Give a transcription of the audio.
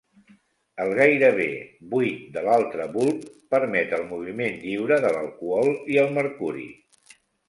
El gairebé buit de l'altre bulb permet el moviment lliure de l'alcohol i el mercuri.